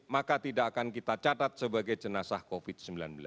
maka tidak akan kita catat sebagai jenazah covid sembilan belas